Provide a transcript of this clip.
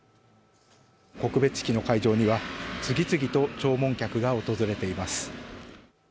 告別式の会場には次々と弔問客が訪れています。